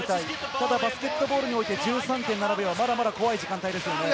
ただバスケットボールにおいて、１３．５秒はまだまだ怖い時間ですよね。